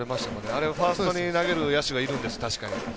あれがファーストに投げる野手がいるんです、確かに。